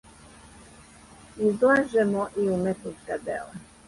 Излажемо и уметничка дела.